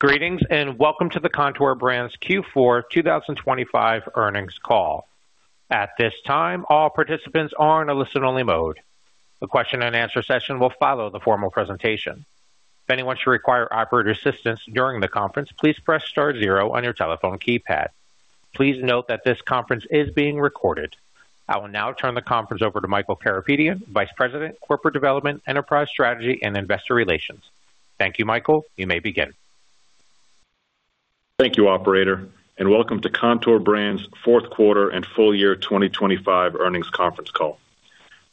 Greetings, welcome to the Kontoor Brands Q4 2025 Earnings Call. At this time, all participants are in a listen-only mode. The question and answer session will follow the formal presentation. If anyone should require operator assistance during the conference, please press star 0 on your telephone keypad. Please note that this conference is being recorded. I will now turn the conference over to Michael Karapetian, Vice President, Corporate Development, Enterprise Strategy, and Investor Relations. Thank you, Michael. You may begin. Thank you, operator, and welcome to Kontoor Brands' Q4 and full year 2025 earnings conference call.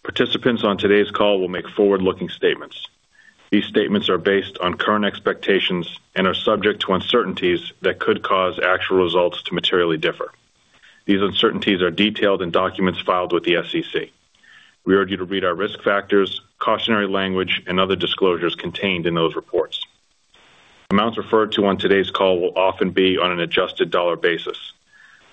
Participants on today's call will make forward-looking statements. These statements are based on current expectations and are subject to uncertainties that could cause actual results to materially differ. These uncertainties are detailed in documents filed with the SEC. We urge you to read our risk factors, cautionary language, and other disclosures contained in those reports. Amounts referred to on today's call will often be on an adjusted dollar basis,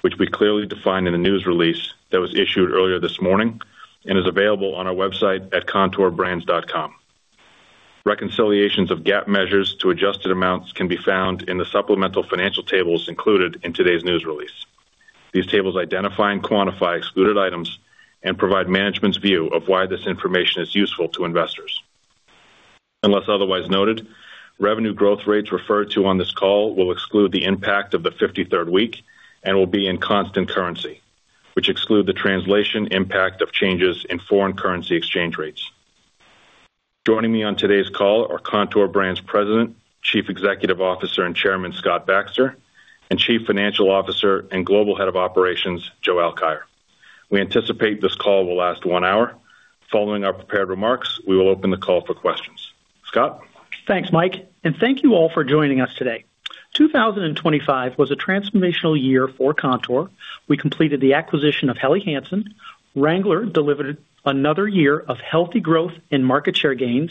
which we clearly define in the news release that was issued earlier this morning and is available on our website at kontoorbrands.com. Reconciliations of GAAP measures to adjusted amounts can be found in the supplemental financial tables included in today's news release. These tables identify and quantify excluded items and provide management's view of why this information is useful to investors. Unless otherwise noted, revenue growth rates referred to on this call will exclude the impact of the 53rd week and will be in constant currency, which exclude the translation impact of changes in foreign currency exchange rates. Joining me on today's call are Kontoor Brands President, Chief Executive Officer and Chairman Scott Baxter, and Chief Financial Officer and Global Head of Operations, Joe Alkire. We anticipate this call will last one hour. Following our prepared remarks, we will open the call for questions. Scott? Thanks, Mike. Thank you all for joining us today. 2025 was a transformational year for Kontoor. We completed the acquisition of Helly Hansen. Wrangler delivered another year of healthy growth and market share gains.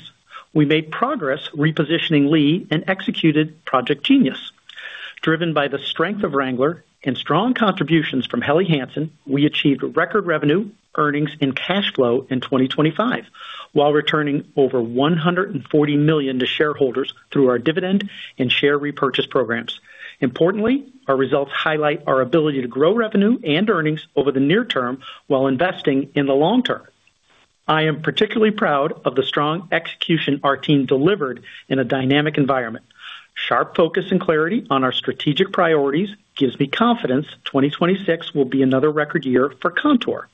We made progress repositioning Lee and executed Project Genius. Driven by the strength of Wrangler and strong contributions from Helly Hansen, we achieved record revenue, earnings, and cash flow in 2025, while returning over $140 million to shareholders through our dividend and share repurchase programs. Our results highlight our ability to grow revenue and earnings over the near term while investing in the long term. I am particularly proud of the strong execution our team delivered in a dynamic environment. Sharp focus and clarity on our strategic priorities gives me confidence 2026 will be another record year for Kontoor.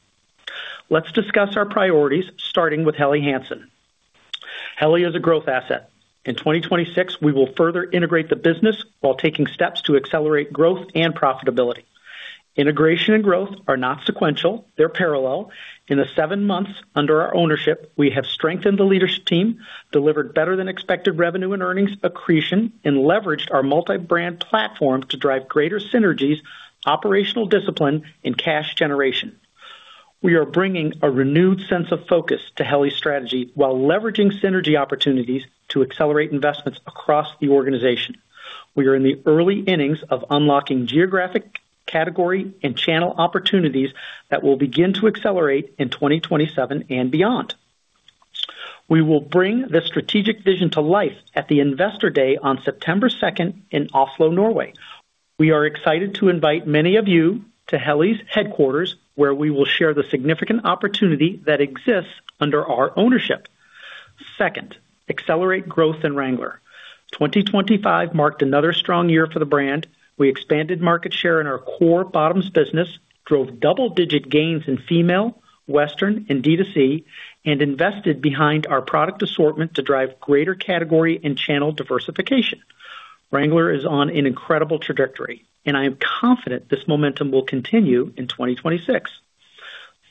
Let's discuss our priorities, starting with Helly Hansen. Helly is a growth asset. In 2026, we will further integrate the business while taking steps to accelerate growth and profitability. Integration and growth are not sequential, they're parallel. In the seven months under our ownership, we have strengthened the leadership team, delivered better than expected revenue and earnings accretion, and leveraged our multi-brand platform to drive greater synergies, operational discipline, and cash generation. We are bringing a renewed sense of focus to Helly's strategy while leveraging synergy opportunities to accelerate investments across the organization. We are in the early innings of unlocking geographic category and channel opportunities that will begin to accelerate in 2027 and beyond. We will bring the strategic vision to life at the Investor Day on 2 September in Oslo, Norway. We are excited to invite many of you to Helly's headquarters, where we will share the significant opportunity that exists under our ownership. Second, accelerate growth in Wrangler. 2025 marked another strong year for the brand. We expanded market share in our core bottoms business, drove double-digit gains in female, western, and D2C, and invested behind our product assortment to drive greater category and channel diversification. Wrangler is on an incredible trajectory, and I am confident this momentum will continue in 2026.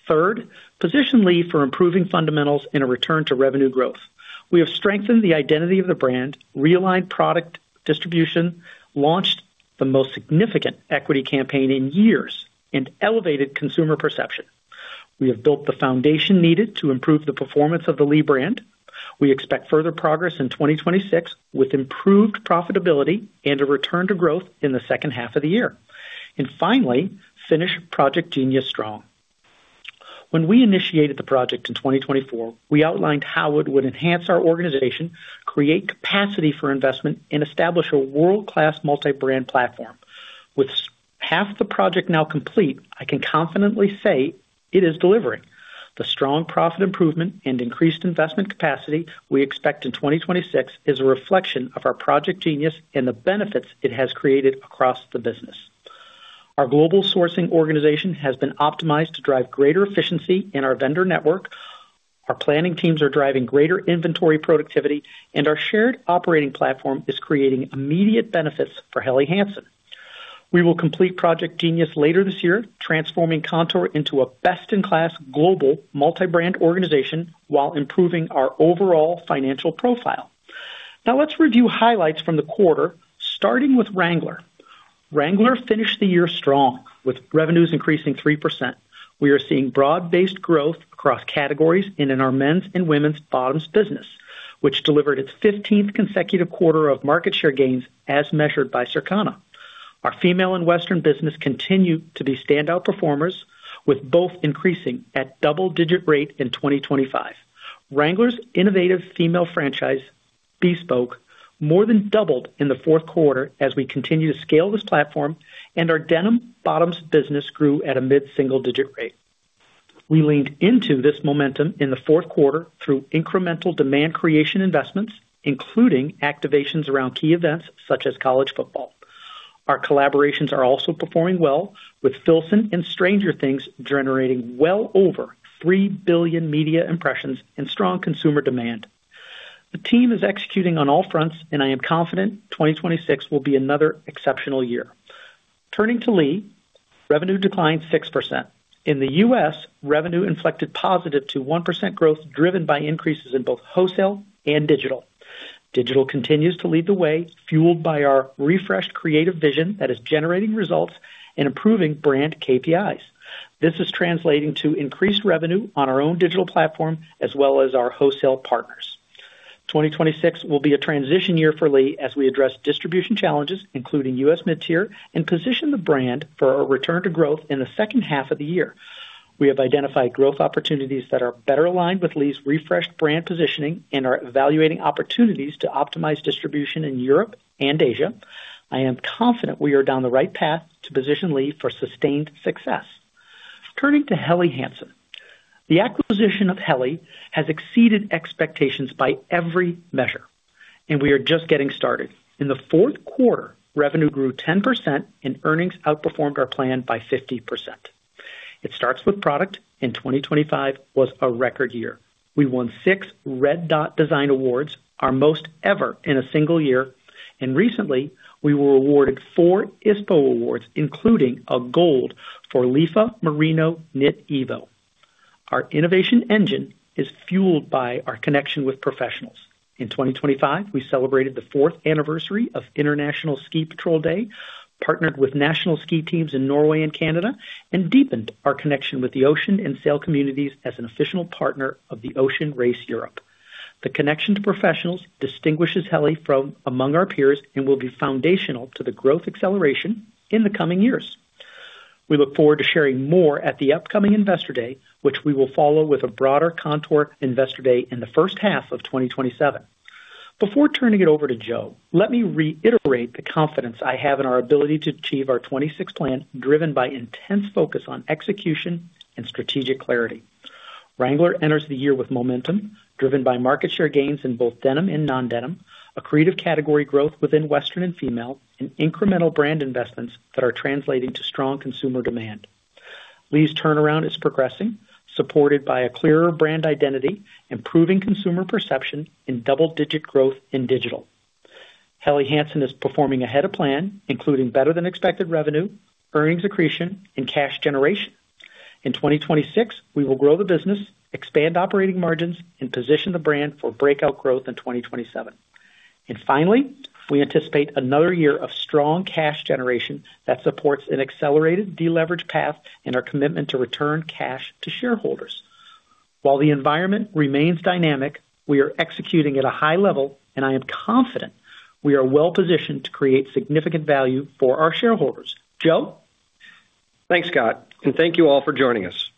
Third, position Lee for improving fundamentals and a return to revenue growth. We have strengthened the identity of the brand, realigned product distribution, launched the most significant equity campaign in years, and elevated consumer perception. We have built the foundation needed to improve the performance of the Lee brand. We expect further progress in 2026, with improved profitability and a return to growth in the second half of the year. Finally, finish Project Genius strong. When we initiated the project in 2024, we outlined how it would enhance our organization, create capacity for investment, and establish a world-class multi-brand platform. With half the project now complete, I can confidently say it is delivering. The strong profit improvement and increased investment capacity we expect in 2026 is a reflection of our Project Genius and the benefits it has created across the business. Our global sourcing organization has been optimized to drive greater efficiency in our vendor network. Our planning teams are driving greater inventory productivity, and our shared operating platform is creating immediate benefits for Helly Hansen. We will complete Project Genius later this year, transforming Kontoor into a best-in-class global multi-brand organization while improving our overall financial profile. Let's review highlights from the quarter, starting with Wrangler. Wrangler finished the year strong, with revenues increasing 3%. We are seeing broad-based growth across categories and in our men's and women's bottoms business, which delivered its 15th consecutive quarter of market share gains as measured by Circana. Our female and western business continue to be standout performers, with both increasing at double-digit rate in 2025. Wrangler's innovative female franchise, Bespoke, more than doubled in the Q4 as we continue to scale this platform, and our denim bottoms business grew at a mid-single-digit rate. We leaned into this momentum in the Q4 through incremental demand creation investments, including activations around key events such as college football. Our collaborations are also performing well, with Filson and Stranger Things generating well over three billion media impressions and strong consumer demand. The team is executing on all fronts. I am confident 2026 will be another exceptional year. Turning to Lee, revenue declined 6%. In the U.S., revenue inflected positive to 1% growth, driven by increases in both wholesale and digital. Digital continues to lead the way, fueled by our refreshed creative vision that is generating results and improving brand KPIs. This is translating to increased revenue on our own digital platform as well as our wholesale partners. 2026 will be a transition year for Lee as we address distribution challenges, including U.S. mid-tier, and position the brand for a return to growth in the second half of the year. We have identified growth opportunities that are better aligned with Lee's refreshed brand positioning and are evaluating opportunities to optimize distribution in Europe and Asia. I am confident we are down the right path to position Lee for sustained success. Turning to Helly Hansen. The acquisition of Helly has exceeded expectations by every measure, and we are just getting started. In the Q4, revenue grew 10%, and earnings outperformed our plan by 50%. It starts with product, and 2025 was a record year. We won six Red Dot Design Awards, our most ever in a single year, and recently, we were awarded four ISPO awards, including a gold for LIFA Merino Knit Evo. Our innovation engine is fueled by our connection with professionals. In 2025, we celebrated the fourth anniversary of International Ski Patrol Day, partnered with national ski teams in Norway and Canada, and deepened our connection with the ocean and sail communities as an official partner of The Ocean Race Europe. The connection to professionals distinguishes Helly from among our peers and will be foundational to the growth acceleration in the coming years. We look forward to sharing more at the upcoming Investor Day, which we will follow with a broader Kontoor Investor Day in the first half of 2027. Before turning it over to Joe, let me reiterate the confidence I have in our ability to achieve our 2026 plan, driven by intense focus on execution and strategic clarity. Wrangler enters the year with momentum driven by market share gains in both denim and non-denim, accretive category growth within western and female, and incremental brand investments that are translating to strong consumer demand. Lee's turnaround is progressing, supported by a clearer brand identity, improving consumer perception, and double-digit growth in digital. Helly Hansen is performing ahead of plan, including better than expected revenue, earnings accretion, and cash generation. In 2026, we will grow the business, expand operating margins, and position the brand for breakout growth in 2027. Finally, we anticipate another year of strong cash generation that supports an accelerated deleverage path and our commitment to return cash to shareholders. While the environment remains dynamic, we are executing at a high level, and I am confident we are well positioned to create significant value for our shareholders. Joe? Thanks, Scott. Thank you all for joining us.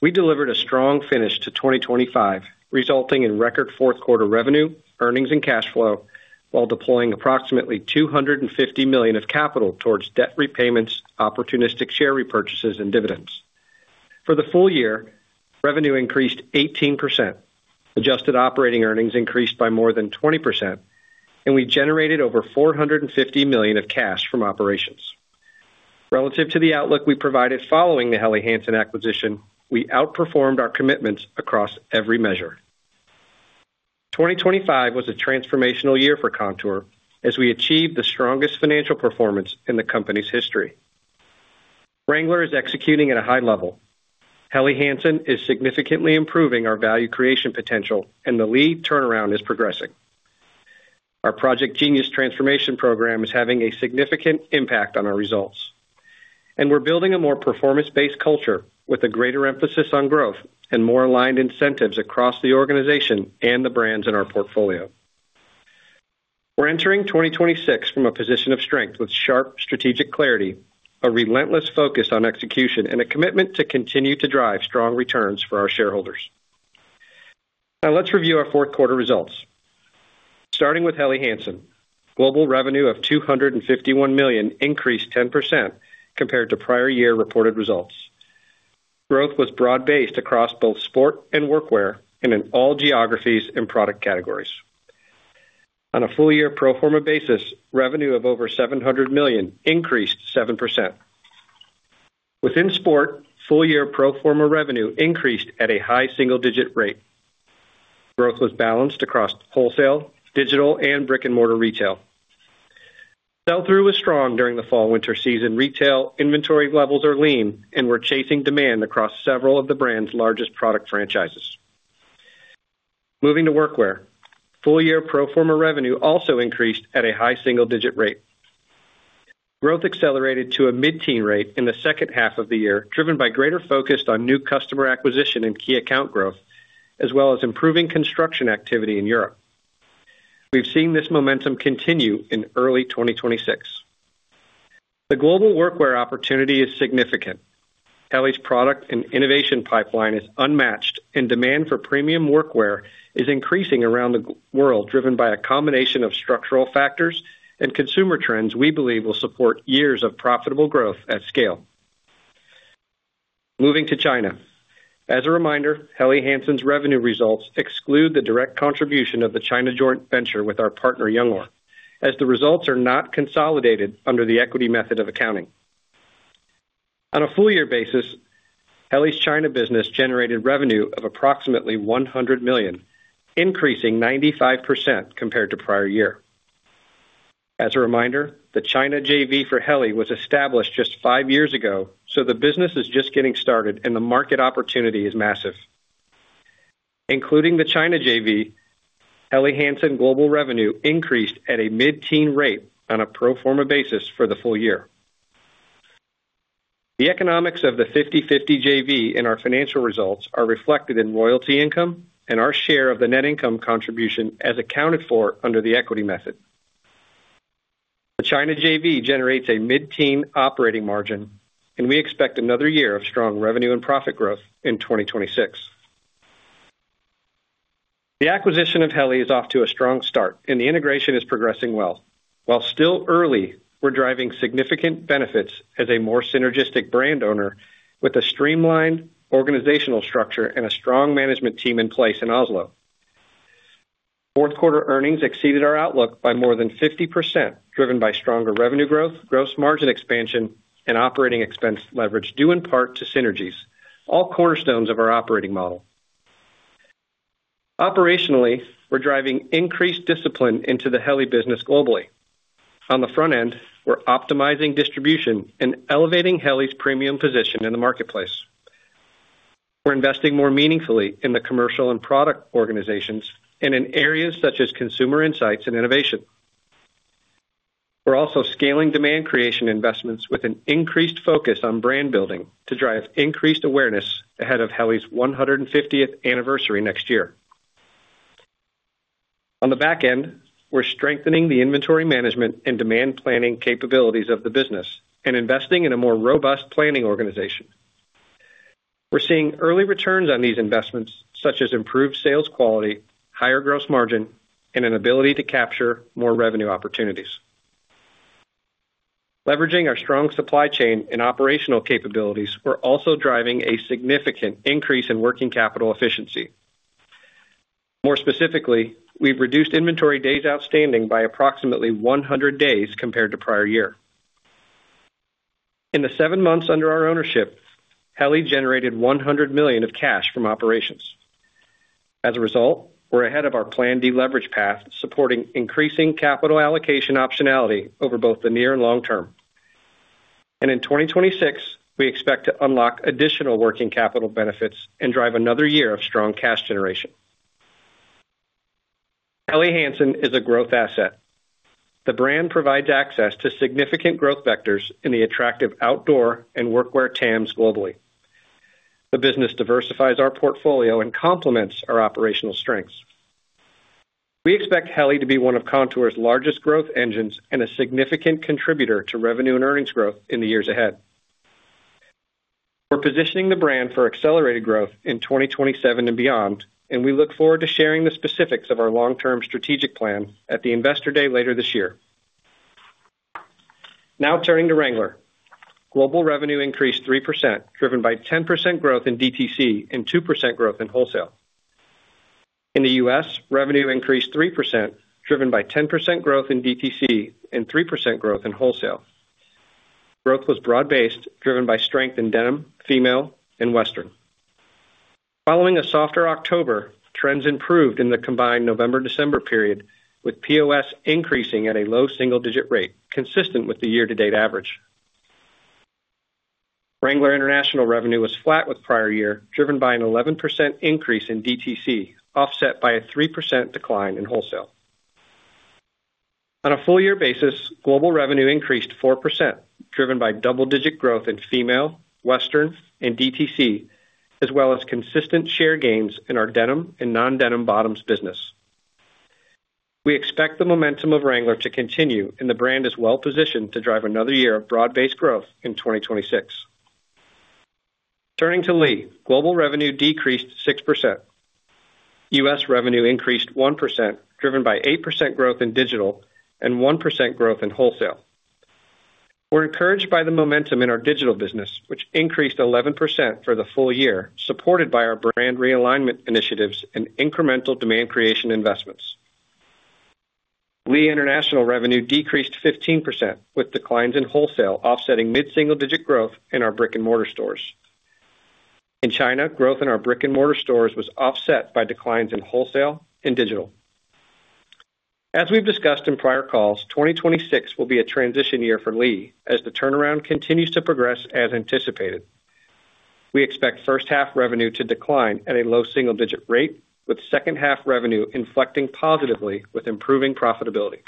We delivered a strong finish to 2025, resulting in record Q4 revenue, earnings, and cash flow while deploying approximately $250 million of capital towards debt repayments, opportunistic share repurchases, and dividends. For the full year, revenue increased 18%, adjusted operating earnings increased by more than 20%. We generated over $450 million of cash from operations. Relative to the outlook we provided following the Helly Hansen acquisition, we outperformed our commitments across every measure. 2025 was a transformational year for Kontoor as we achieved the strongest financial performance in the company's history. Wrangler is executing at a high level. Helly Hansen is significantly improving our value creation potential. The Lee turnaround is progressing. Our Project Genius transformation program is having a significant impact on our results. We're building a more performance-based culture with a greater emphasis on growth and more aligned incentives across the organization and the brands in our portfolio. We're entering 2026 from a position of strength with sharp strategic clarity, a relentless focus on execution, and a commitment to continue to drive strong returns for our shareholders. Let's review our Q4 results. Starting with Helly Hansen. Global revenue of $251 million increased 10% compared to prior year reported results. Growth was broad-based across both sport and work wear and in all geographies and product categories. On a full year pro forma basis, revenue of over $700 million increased 7%. Within sport, full year pro forma revenue increased at a high single-digit rate. Growth was balanced across wholesale, digital, and brick-and-mortar retail. Sell-through was strong during the fall winter season. Retail inventory levels are lean, we're chasing demand across several of the brand's largest product franchises. Moving to workwear. Full year pro forma revenue also increased at a high single-digit rate. Growth accelerated to a mid-teen rate in the second half of the year, driven by greater focus on new customer acquisition and key account growth, as well as improving construction activity in Europe. We've seen this momentum continue in early 2026. The global workwear opportunity is significant. Helly's product and innovation pipeline is unmatched, and demand for premium workwear is increasing around the world, driven by a combination of structural factors and consumer trends we believe will support years of profitable growth at scale. Moving to China. As a reminder, Helly Hansen's revenue results exclude the direct contribution of the China joint venture with our partner, Youngor, as the results are not consolidated under the equity method of accounting. On a full year basis, Helly's China business generated revenue of approximately $100 million, increasing 95% compared to prior year. As a reminder, the China JV for Helly was established just five years ago, so the business is just getting started and the market opportunity is massive. Including the China JV, Helly Hansen global revenue increased at a mid-teen rate on a pro forma basis for the full year. The economics of the 50/50 JV in our financial results are reflected in loyalty income and our share of the net income contribution as accounted for under the equity method. The China JV generates a mid-teen operating margin, and we expect another year of strong revenue and profit growth in 2026. The acquisition of Helly is off to a strong start, and the integration is progressing well. While still early, we're driving significant benefits as a more synergistic brand owner with a streamlined organizational structure and a strong management team in place in Oslo. Q4 earnings exceeded our outlook by more than 50%, driven by stronger revenue growth, gross margin expansion, and operating expense leverage due in part to synergies, all cornerstones of our operating model. Operationally, we're driving increased discipline into the Helly business globally. On the front end, we're optimizing distribution and elevating Helly's premium position in the marketplace. We're investing more meaningfully in the commercial and product organizations and in areas such as consumer insights and innovation. We're also scaling demand creation investments with an increased focus on brand building to drive increased awareness ahead of Helly's 150th anniversary next year. On the back end, we're strengthening the inventory management and demand planning capabilities of the business and investing in a more robust planning organization. We're seeing early returns on these investments, such as improved sales quality, higher gross margin, and an ability to capture more revenue opportunities. Leveraging our strong supply chain and operational capabilities, we're also driving a significant increase in working capital efficiency. More specifically, we've reduced inventory days outstanding by approximately 100 days compared to prior year. In the seven months under our ownership, Helly generated $100 million of cash from operations. As a result, we're ahead of our planned deleverage path, supporting increasing capital allocation optionality over both the near and long term. In 2026, we expect to unlock additional working capital benefits and drive another year of strong cash generation. Helly Hansen is a growth asset. The brand provides access to significant growth vectors in the attractive outdoor and workwear TAMs globally. The business diversifies our portfolio and complements our operational strengths. We expect Helly to be one of Kontoor's largest growth engines and a significant contributor to revenue and earnings growth in the years ahead. We're positioning the brand for accelerated growth in 2027 and beyond, and we look forward to sharing the specifics of our long-term strategic plan at the Investor Day later this year. Now turning to Wrangler. Global revenue increased 3%, driven by 10% growth in DTC and 2% growth in wholesale. In the U.S., revenue increased 3%, driven by 10% growth in DTC and 3% growth in wholesale. Growth was broad-based, driven by strength in denim, female, and western. Following a softer October, trends improved in the combined November-December period, with POS increasing at a low single-digit rate, consistent with the year-to-date average. Wrangler International revenue was flat with prior year, driven by an 11% increase in DTC, offset by a 3% decline in wholesale. On a full year basis, global revenue increased 4%, driven by double-digit growth in female, western, and DTC, as well as consistent share gains in our denim and non-denim bottoms business. We expect the momentum of Wrangler to continue, and the brand is well positioned to drive another year of broad-based growth in 2026. Turning to Lee. Global revenue decreased 6%. US revenue increased 1%, driven by 8% growth in digital and 1% growth in wholesale. We're encouraged by the momentum in our digital business, which increased 11% for the full year, supported by our brand realignment initiatives and incremental demand creation investments. Lee International revenue decreased 15%, with declines in wholesale offsetting mid-single-digit growth in our brick-and-mortar stores. In China, growth in our brick-and-mortar stores was offset by declines in wholesale and digital. As we've discussed in prior calls, 2026 will be a transition year for Lee, as the turnaround continues to progress as anticipated. We expect first half revenue to decline at a low single-digit rate, with second half revenue inflecting positively with improving profitability.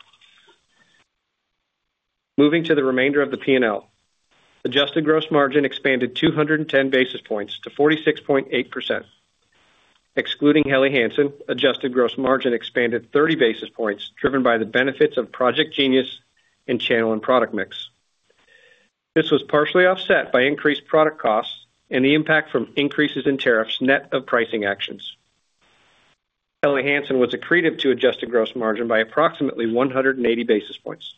Moving to the remainder of the P&L. Adjusted gross margin expanded 210 basis points to 46.8%. Excluding Helly Hansen, adjusted gross margin expanded 30 basis points, driven by the benefits of Project Genius and channel and product mix. This was partially offset by increased product costs and the impact from increases in tariffs net of pricing actions. Helly Hansen was accretive to adjusted gross margin by approximately 180 basis points.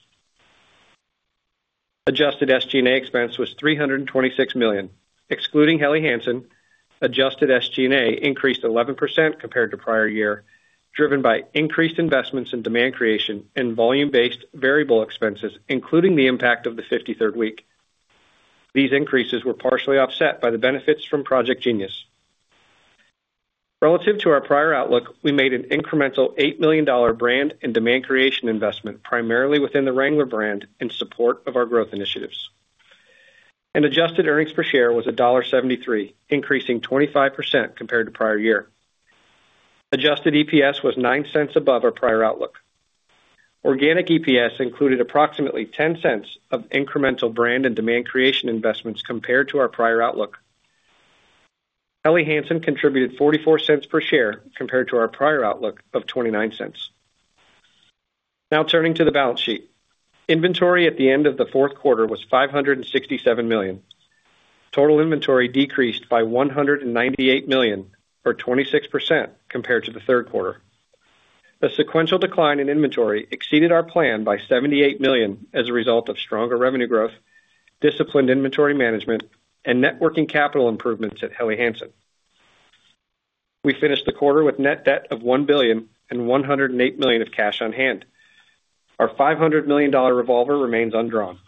Adjusted SG&A expense was $326 million. Excluding Helly Hansen, adjusted SG&A increased 11% compared to prior year, driven by increased investments in demand creation and volume-based variable expenses, including the impact of the 53rd week. These increases were partially offset by the benefits from Project Genius. Relative to our prior outlook, we made an incremental $8 million brand and demand creation investment primarily within the Wrangler brand in support of our growth initiatives. Adjusted earnings per share was $1.73, increasing 25% compared to prior year. Adjusted EPS was $0.09 above our prior outlook. Organic EPS included approximately $0.10 of incremental brand and demand creation investments compared to our prior outlook. Helly Hansen contributed $0.44 per share compared to our prior outlook of $0.29. Turning to the balance sheet. Inventory at the end of the Q4 was $567 million. Total inventory decreased by $198 million, or 26% compared to the Q3. The sequential decline in inventory exceeded our plan by $78 million as a result of stronger revenue growth, disciplined inventory management, and networking capital improvements at Helly Hansen. We finished the quarter with net debt of $1 billion and $108 million of cash on hand. Our $500 million revolver remains undrawn.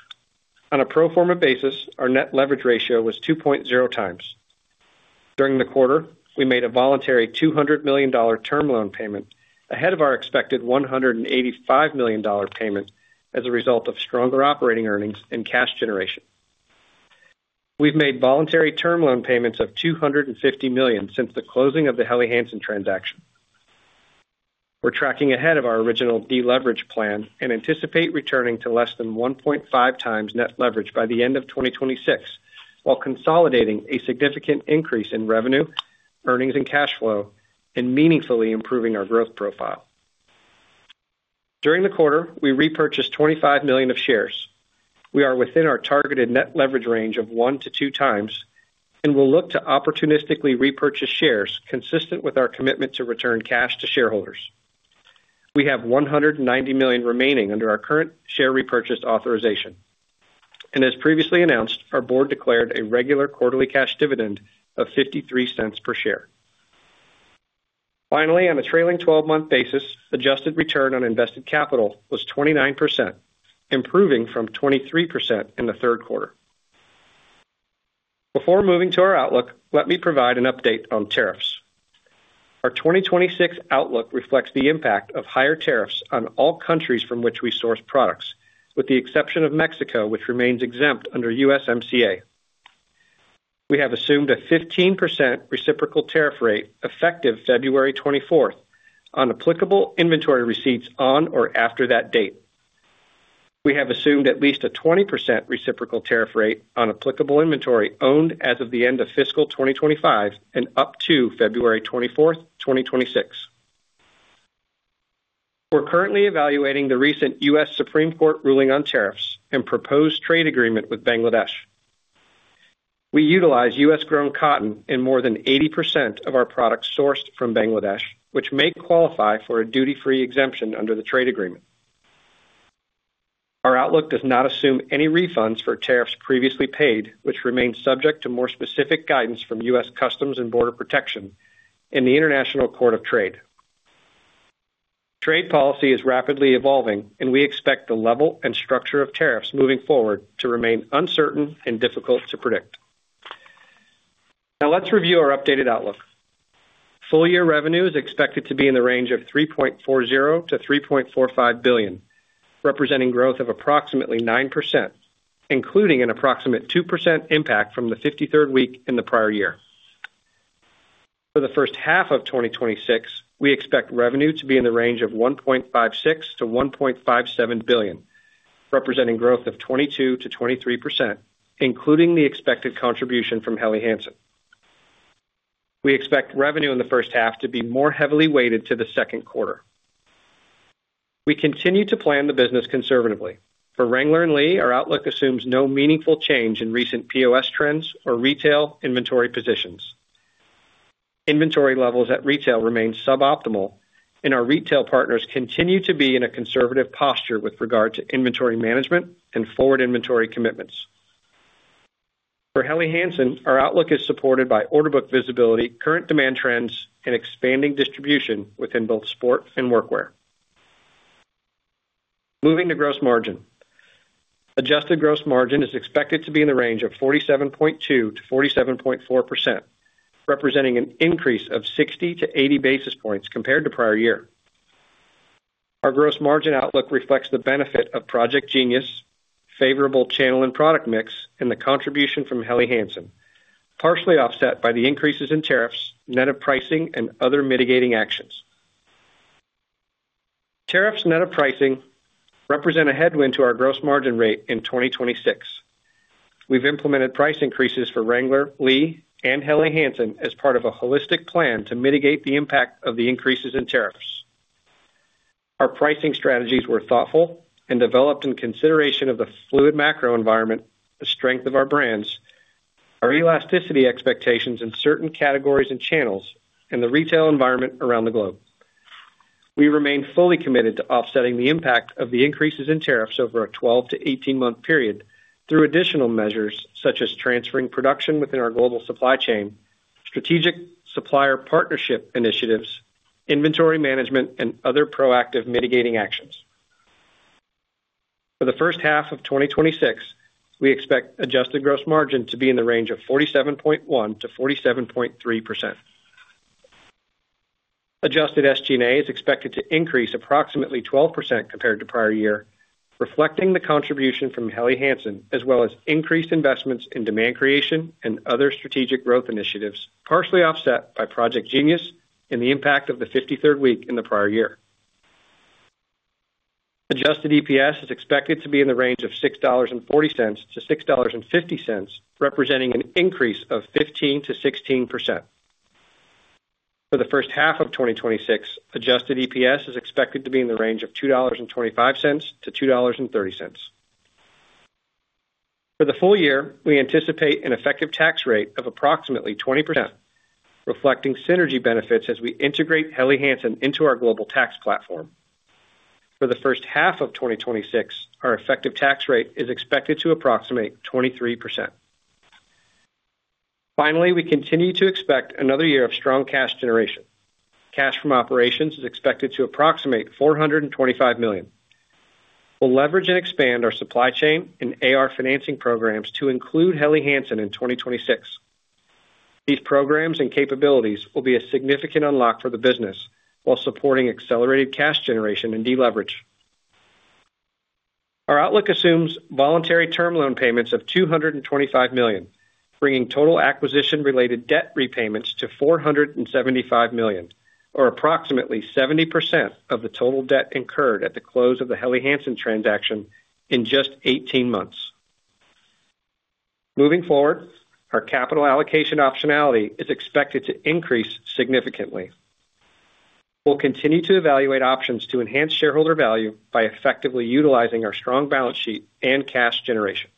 On a pro forma basis, our net leverage ratio was 2.0 times. During the quarter, we made a voluntary $200 million term loan payment ahead of our expected $185 million payment as a result of stronger operating earnings and cash generation. We've made voluntary term loan payments of $250 million since the closing of the Helly Hansen transaction. We're tracking ahead of our original deleverage plan and anticipate returning to less than 1.5 times net leverage by the end of 2026, while consolidating a significant increase in revenue, earnings and cash flow, and meaningfully improving our growth profile. During the quarter, we repurchased $25 million of shares. We are within our targeted net leverage range of one to two times, we'll look to opportunistically repurchase shares consistent with our commitment to return cash to shareholders. We have $190 million remaining under our current share repurchase authorization. As previously announced, our board declared a regular quarterly cash dividend of $0.53 per share. Finally, on a trailing 12-month basis, adjusted return on invested capital was 29%, improving from 23% in the Q3. Before moving to our outlook, let me provide an update on tariffs. Our 2026 outlook reflects the impact of higher tariffs on all countries from which we source products, with the exception of Mexico, which remains exempt under USMCA. We have assumed a 15% reciprocal tariff rate effective 24 February on applicable inventory receipts on or after that date. We have assumed at least a 20% reciprocal tariff rate on applicable inventory owned as of the end of fiscal 2025 and up to 24 February 2026. We're currently evaluating the recent US Supreme Court ruling on tariffs and proposed trade agreement with Bangladesh. We utilize U.S.-grown cotton in more than 80% of our products sourced from Bangladesh, which may qualify for a duty-free exemption under the trade agreement. Our outlook does not assume any refunds for tariffs previously paid, which remains subject to more specific guidance from U.S. Customs and Border Protection in the United States Court of International Trade. Trade policy is rapidly evolving, we expect the level and structure of tariffs moving forward to remain uncertain and difficult to predict. Let's review our updated outlook. Full year revenue is expected to be in the range of $3.40 billion-$3.45 billion, representing growth of approximately 9%, including an approximate 2% impact from the 53rd week in the prior year. For the first half of 2026, we expect revenue to be in the range of $1.56 billion-$1.57 billion, representing growth of 22%-23%, including the expected contribution from Helly Hansen. We expect revenue in the first half to be more heavily weighted to the Q2. We continue to plan the business conservatively. For Wrangler and Lee, our outlook assumes no meaningful change in recent POS trends or retail inventory positions. Inventory levels at retail remain suboptimal. Our retail partners continue to be in a conservative posture with regard to inventory management and forward inventory commitments. For Helly Hansen, our outlook is supported by order book visibility, current demand trends, and expanding distribution within both sport and workwear. Moving to gross margin. Adjusted gross margin is expected to be in the range of 47.2%-47.4%, representing an increase of 60 to 80 basis points compared to prior year. Our gross margin outlook reflects the benefit of Project Genius, favorable channel and product mix, and the contribution from Helly Hansen, partially offset by the increases in tariffs, net of pricing and other mitigating actions. Tariffs net of pricing represent a headwind to our gross margin rate in 2026. We've implemented price increases for Wrangler, Lee, and Helly Hansen as part of a holistic plan to mitigate the impact of the increases in tariffs. Our pricing strategies were thoughtful and developed in consideration of the fluid macro environment, the strength of our brands, our elasticity expectations in certain categories and channels, and the retail environment around the globe. We remain fully committed to offsetting the impact of the increases in tariffs over a 12- to 18-month period through additional measures such as transferring production within our global supply chain, strategic supplier partnership initiatives, inventory management, and other proactive mitigating actions. For the first half of 2026, we expect adjusted gross margin to be in the range of 47.1%-47.3%. Adjusted SG&A is expected to increase approximately 12% compared to prior year, reflecting the contribution from Helly Hansen, as well as increased investments in demand creation and other strategic growth initiatives, partially offset by Project Genius and the impact of the 53rd week in the prior year. Adjusted EPS is expected to be in the range of $6.40-$6.50, representing an increase of 15%-16%. For the first half of 2026, adjusted EPS is expected to be in the range of $2.25-$2.30. For the full year, we anticipate an effective tax rate of approximately 20%, reflecting synergy benefits as we integrate Helly Hansen into our global tax platform. For the first half of 2026, our effective tax rate is expected to approximate 23%. Finally, we continue to expect another year of strong cash generation. Cash from operations is expected to approximate $425 million. We'll leverage and expand our supply chain and AR financing programs to include Helly Hansen in 2026. These programs and capabilities will be a significant unlock for the business while supporting accelerated cash generation and deleverage. Our outlook assumes voluntary term loan payments of $225 million, bringing total acquisition-related debt repayments to $475 million, or approximately 70% of the total debt incurred at the close of the Helly Hansen transaction in just 18 months. Moving forward, our capital allocation optionality is expected to increase significantly. We'll continue to evaluate options to enhance shareholder value by effectively utilizing our strong balance sheet and cash generation.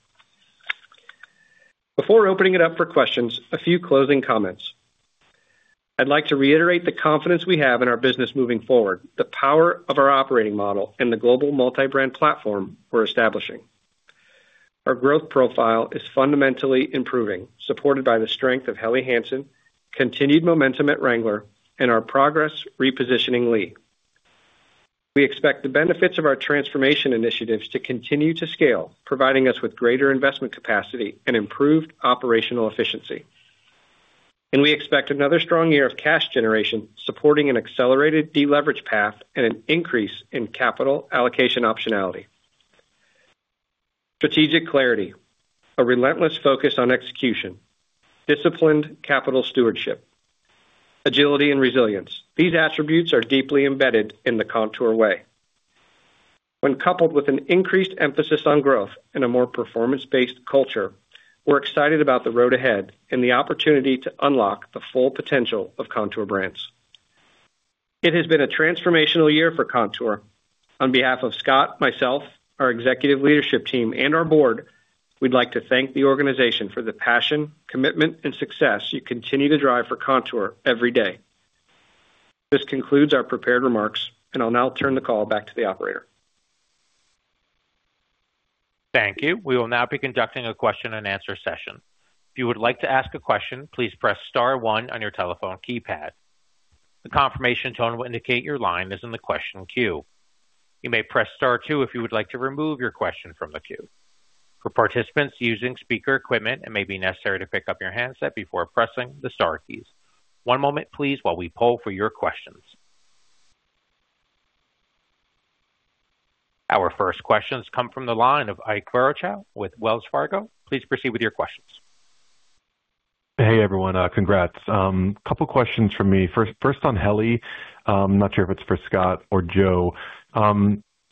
Before opening it up for questions, a few closing comments. I'd like to reiterate the confidence we have in our business moving forward, the power of our operating model and the global multi-brand platform we're establishing. Our growth profile is fundamentally improving, supported by the strength of Helly Hansen, continued momentum at Wrangler, and our progress repositioning Lee. We expect the benefits of our transformation initiatives to continue to scale, providing us with greater investment capacity and improved operational efficiency. We expect another strong year of cash generation, supporting an accelerated deleverage path and an increase in capital allocation optionality. Strategic clarity, a relentless focus on execution, disciplined capital stewardship, agility and resilience. These attributes are deeply embedded in the Kontoor way. When coupled with an increased emphasis on growth and a more performance-based culture, we're excited about the road ahead and the opportunity to unlock the full potential of Kontoor Brands. It has been a transformational year for Kontoor. On behalf of Scott, myself, our executive leadership team, and our board, we'd like to thank the organization for the passion, commitment, and success you continue to drive for Kontoor every day. This concludes our prepared remarks, and I'll now turn the call back to the operator. Thank you. We will now be conducting a question and answer session. If you would like to ask a question, please press star one on your telephone keypad. The confirmation tone will indicate your line is in the question queue. You may press star two if you would like to remove your question from the queue. For participants using speaker equipment, it may be necessary to pick up your handset before pressing the star keys. One moment, please, while we poll for your questions. Our first questions come from the line of Ike Boruchow with Wells Fargo. Please proceed with your questions. Hey, everyone. Congrats. Couple questions from me. First on Helly. I'm not sure if it's for Scott or Joe.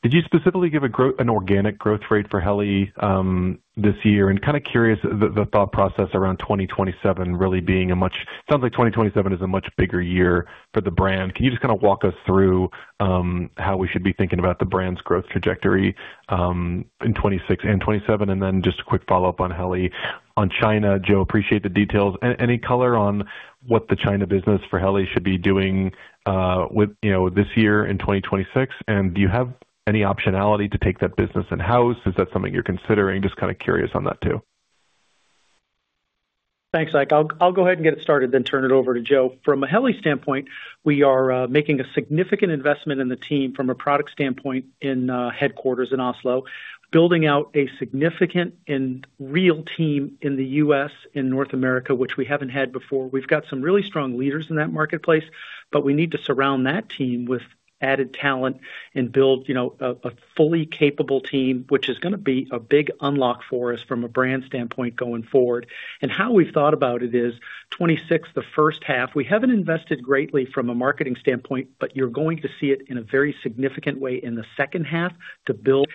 Did you specifically give an organic growth rate for Helly this year? Kinda curious the thought process around 2027 really being a much. Sounds like 2027 is a much bigger year for the brand. Can you just kinda walk us through how we should be thinking about the brand's growth trajectory in 2026 and 2027? Just a quick follow-up on Helly. On China, Joe, appreciate the details. Any color on what the China business for Helly should be doing, with, you know, this year in 2026? Do you have any optionality to take that business in-house? Is that something you're considering? Just kinda curious on that too. Thanks, Ike. I'll go ahead and get it started, then turn it over to Joe. From a Helly standpoint, we are making a significant investment in the team from a product standpoint in headquarters in Oslo, building out a significant and real team in the U.S., in North America, which we haven't had before. We've got some really strong leaders in that marketplace, but we need to surround that team with added talent and build, you know, a fully capable team, which is gonna be a big unlock for us from a brand standpoint going forward. How we've thought about it is, 2026, the first half, we haven't invested greatly from a marketing standpoint, but you're going to see it in a very significant way in the second half to build.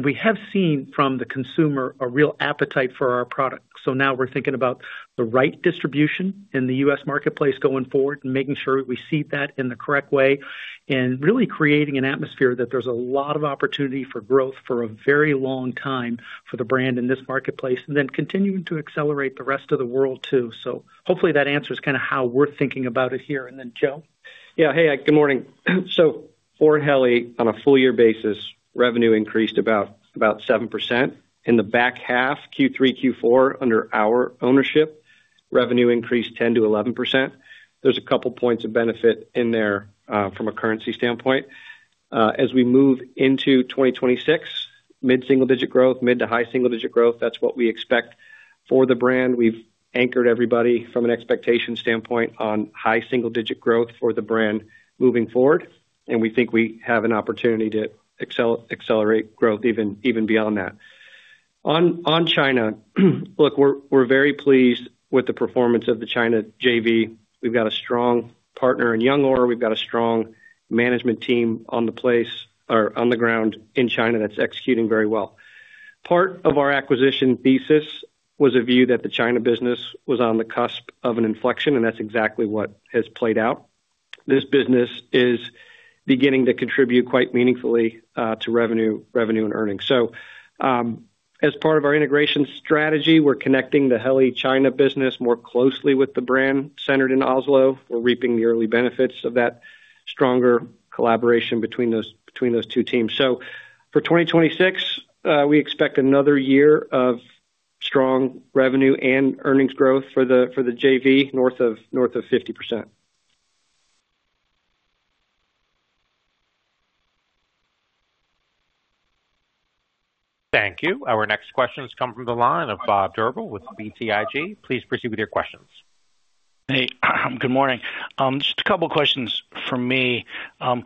We have seen from the consumer a real appetite for our product. Now we're thinking about the right distribution in the U.S. marketplace going forward and making sure we seat that in the correct way, and really creating an atmosphere that there's a lot of opportunity for growth for a very long time for the brand in this marketplace, and then continuing to accelerate the rest of the world too. Hopefully that answers kinda how we're thinking about it here. Then, Joe. Yeah. Hey, Ike. Good morning. For Helly on a full year basis, revenue increased about 7%. In the back half, Q3, Q4, under our ownership, revenue increased 10%-11%. There's a couple points of benefit in there from a currency standpoint. As we move into 2026, mid-single digit growth, mid-to-high single digit growth, that's what we expect for the brand. We've anchored everybody from an expectation standpoint on high single digit growth for the brand moving forward, and we think we have an opportunity to accelerate growth even beyond that. On China, look, we're very pleased with the performance of the China JV. We've got a strong partner in Youngor. We've got a strong management team on the ground in China that's executing very well. Part of our acquisition thesis was a view that the China business was on the cusp of an inflection. That's exactly what has played out. This business is beginning to contribute quite meaningfully to revenue and earnings. As part of our integration strategy, we're connecting the Helly China business more closely with the brand centered in Oslo. We're reaping the early benefits of that stronger collaboration between those two teams. For 2026, we expect another year of strong revenue and earnings growth for the JV north of 50%. Thank you. Our next question has come from the line of Bob Drbul with BTIG. Please proceed with your questions. Hey, good morning. Just a couple questions from me. On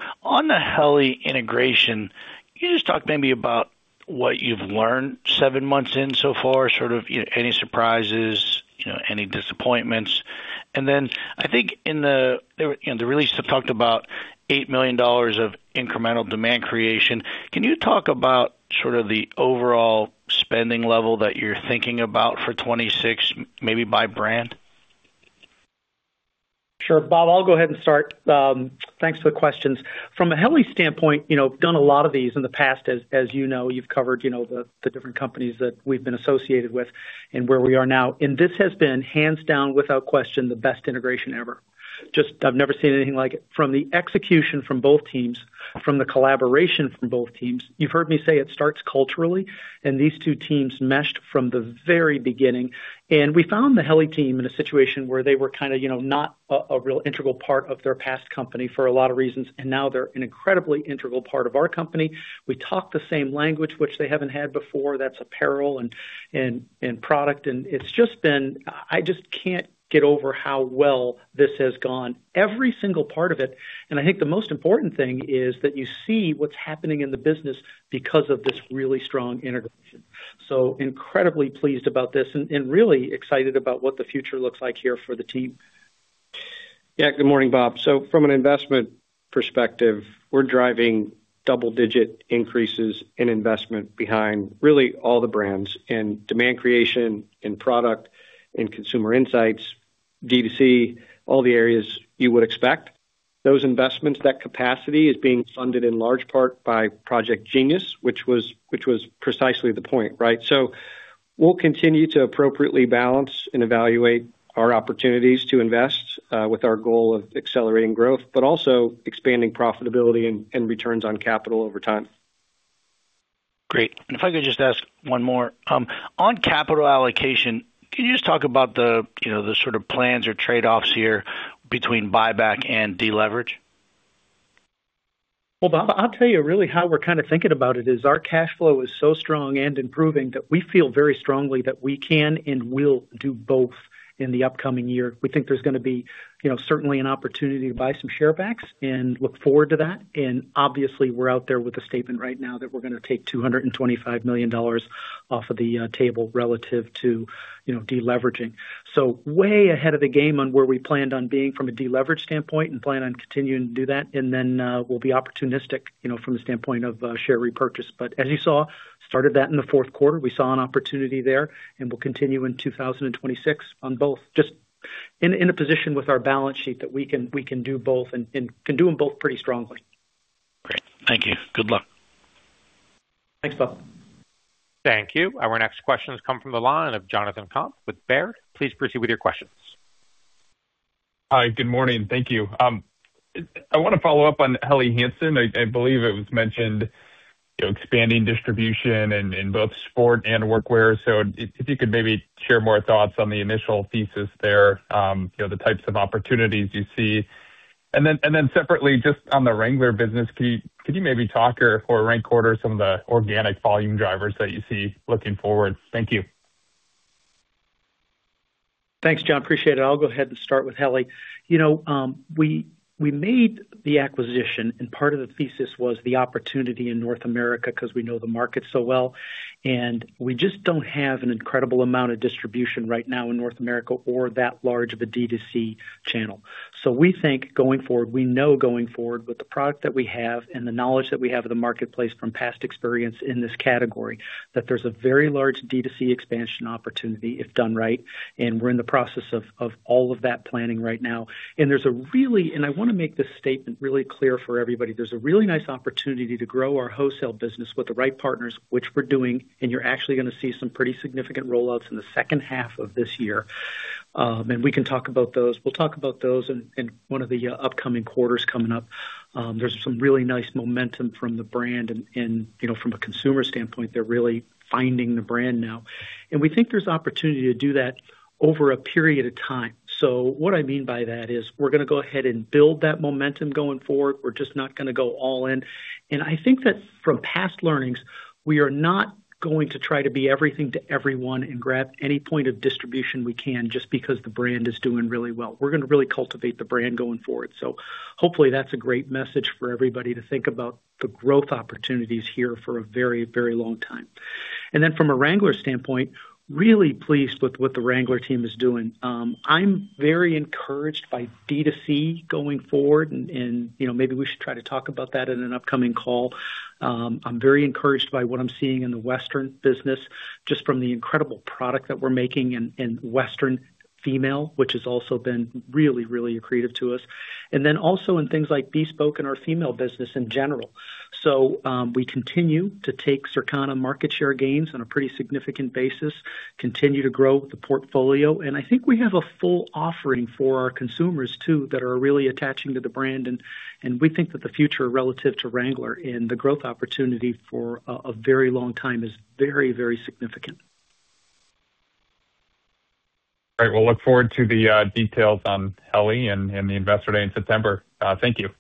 the Helly integration, can you just talk maybe about what you've learned seven months in so far, sort of any surprises, you know, any disappointments? Then I think in the release, you talked about $8 million of incremental demand creation. Can you talk about sort of the overall spending level that you're thinking about for 2026, maybe by brand? Sure. Bob, I'll go ahead and start. Thanks for the questions. From a Helly standpoint, you know, done a lot of these in the past, as you know, you've covered, you know, the different companies that we've been associated with and where we are now. This has been, hands down, without question, the best integration ever. Just I've never seen anything like it. From the execution from both teams, from the collaboration from both teams. You've heard me say it starts culturally, and these two teams meshed from the very beginning. We found the Helly team in a situation where they were kind of, you know, not a real integral part of their past company for a lot of reasons, and now they're an incredibly integral part of our company. We talk the same language, which they haven't had before. That's apparel and product, and it's just been... I just can't get over how well this has gone, every single part of it. I think the most important thing is that you see what's happening in the business because of this really strong integration. Incredibly pleased about this and really excited about what the future looks like here for the team. Good morning, Bob. From an investment perspective, we're driving double-digit increases in investment behind really all the brands and demand creation in product and consumer insights, D2C, all the areas you would expect. Those investments, that capacity is being funded in large part by Project Genius, which was precisely the point, right? We'll continue to appropriately balance and evaluate our opportunities to invest with our goal of accelerating growth, but also expanding profitability and returns on capital over time. Great. On capital allocation, can you just talk about the, you know, the sort of plans or trade-offs here between buyback and deleverage? Well, Bob, I'll tell you really how we're kinda thinking about it is our cash flow is so strong and improving that we feel very strongly that we can and will do both in the upcoming year. We think there's gonna be, you know, certainly an opportunity to buy some share backs and look forward to that. Obviously, we're out there with a statement right now that we're gonna take $225 million off of the table relative to, you know, deleveraging. Way ahead of the game on where we planned on being from a deleverage standpoint and plan on continuing to do that. Then, we'll be opportunistic, you know, from the standpoint of, share repurchase. As you saw, started that in the Q4. We saw an opportunity there, and we'll continue in 2026 on both. Just in a position with our balance sheet that we can do both and can do them both pretty strongly. Great. Thank you. Good luck. Thanks, Bob. Thank you. Our next question has come from the line of Jonathan Komp with Baird. Please proceed with your questions. Hi. Good morning. Thank you. I want to follow up on Helly Hansen. I believe it was mentioned, you know, expanding distribution in both sport and workwear. If you could maybe share more thoughts on the initial thesis there, you know, the types of opportunities you see. Separately, just on the Wrangler business, could you maybe talk or rank order some of the organic volume drivers that you see looking forward? Thank you. Thanks, John. Appreciate it. I'll go ahead and start with Helly. You know, we made the acquisition and part of the thesis was the opportunity in North America because we know the market so well, and we just don't have an incredible amount of distribution right now in North America or that large of a D2C channel. We think going forward, we know going forward with the product that we have and the knowledge that we have of the marketplace from past experience in this category, that there's a very large D2C expansion opportunity if done right. We're in the process of all of that planning right now. I want to make this statement really clear for everybody. There's a really nice opportunity to grow our wholesale business with the right partners, which we're doing. You're actually gonna see some pretty significant rollouts in the second half of this year. We can talk about those. We'll talk about those in one of the upcoming quarters coming up. There's some really nice momentum from the brand. You know, from a consumer standpoint, they're really finding the brand now. We think there's opportunity to do that over a period of time. What I mean by that is we're gonna go ahead and build that momentum going forward. We're just not gonna go all in. I think that from past learnings, we are not going to try to be everything to everyone and grab any point of distribution we can just because the brand is doing really well. We're gonna really cultivate the brand going forward. Hopefully that's a great message for everybody to think about the growth opportunities here for a very, very long time. From a Wrangler standpoint, really pleased with what the Wrangler team is doing. I'm very encouraged by D2C going forward and, you know, maybe we should try to talk about that in an upcoming call. I'm very encouraged by what I'm seeing in the Western business just from the incredible product that we're making in Western female, which has also been really accretive to us. Also in things like Bespoke and our female business in general. We continue to take Circana market share gains on a pretty significant basis, continue to grow the portfolio. I think we have a full offering for our consumers too, that are really attaching to the brand. We think that the future relative to Wrangler and the growth opportunity for a very long time is very significant. Great. We'll look forward to the details on Helly and the Investor Day in September. Thank you.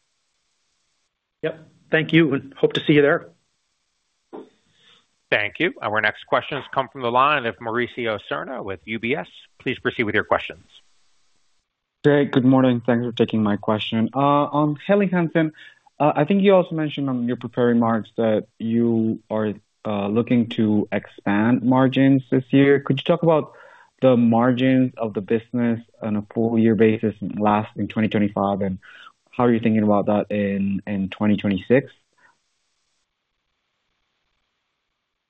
Yep. Thank you. Hope to see you there. Thank you. Our next questions come from the line of Mauricio Serna with UBS. Please proceed with your questions. Great. Good morning. Thanks for taking my question. On Helly Hansen, I think you also mentioned on your prepared remarks that you are looking to expand margins this year. Could you talk about the margins of the business on a full year basis last in 2025, and how are you thinking about that in 2026?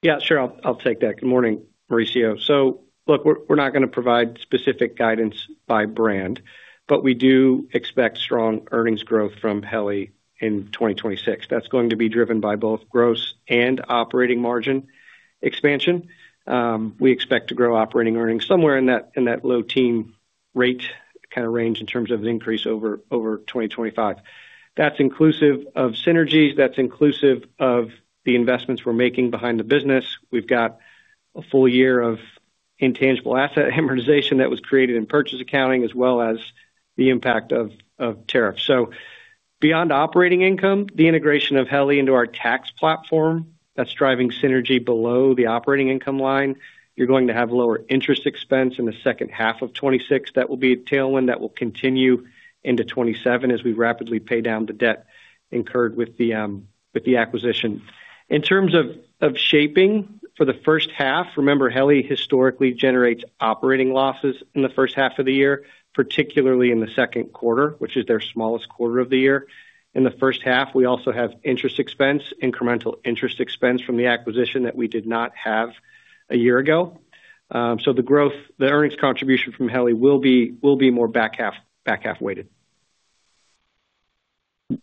Yeah, sure. I'll take that. Good morning, Mauricio. Look, we're not gonna provide specific guidance by brand, but we do expect strong earnings growth from Helly in 2026. That's going to be driven by both gross and operating margin expansion. We expect to grow operating earnings somewhere in that low teen rate kinda range in terms of an increase over 2025. That's inclusive of synergies. That's inclusive of the investments we're making behind the business. We've got a full year of intangible asset amortization that was created in purchase accounting as well as the impact of tariffs. Beyond operating income, the integration of Helly into our tax platform, that's driving synergy below the operating income line. You're going to have lower interest expense in the second half of 2026. That will be a tailwind that will continue into 2027 as we rapidly pay down the debt incurred with the, with the acquisition. In terms of shaping for the first half, remember, Helly historically generates operating losses in the first half of the year, particularly in the Q2 which is their smallest quarter of the year. In the first half, we also have interest expense, incremental interest expense from the acquisition that we did not have a year ago. The earnings contribution from Helly will be more back half weighted.